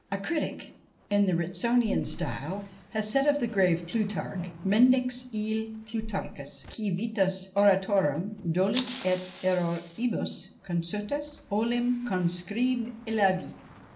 A critic in the Ritsonian style has said of the grave Plutarch, Mendax ille Plutarchus qui vitas oratorum, dolis et erroribus consutas, olim conscribillavit.